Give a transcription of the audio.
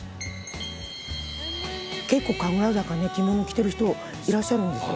「結構神楽坂ね着物を着てる人いらっしゃるんですよ」